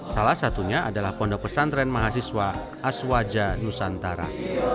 salah satunya adalah pondok pesantren mahasiswa aswaja nusantara